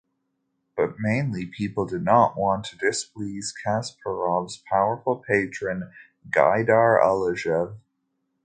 But mainly people did not want to displease Kasparov's powerful patron Gaidar Alijev.